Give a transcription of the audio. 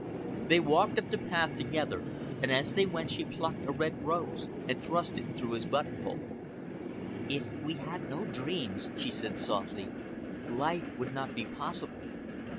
They walked up the path together, and as they went she plucked a red rose and thrust it through his buttonhole. "If we had no dreams," she said softly, "life would not be possible.